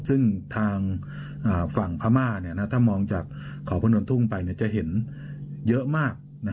ซึ่งทางฝั่งพม่าถ้ามองจากเขาพนมทุ่งไปจะเห็นเยอะมาก